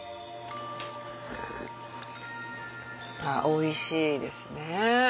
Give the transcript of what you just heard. おいしいですね。